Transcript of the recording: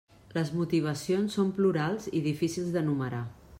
Les motivacions són plurals i difícils d'enumerar.